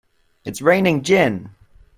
It's raining gin!